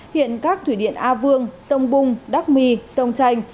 hiện các thủy điện a vương sông bung đắc my sông chanh